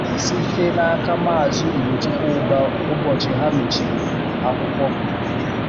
site n'aka Maazị Ugochukwu Ubah ụbọchị ha mechiri akwụkwọ